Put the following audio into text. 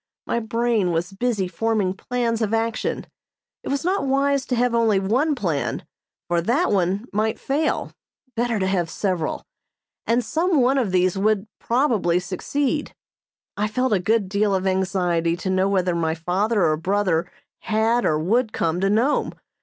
My brain was busy forming plans of action. It was not wise to have only one plan, for that one might fail. Better to have several, and some one of these would probably succeed. I felt a good deal of anxiety to know whether my father or brother had or would come to Nome.